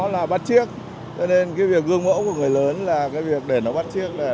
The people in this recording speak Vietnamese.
là cái giáo dục tốt nhất